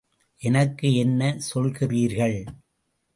எனக்கு என்ன சொல்கிறீர்கள்?